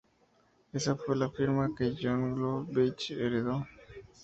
Esa fue la firma que John Gould Veitch heredó.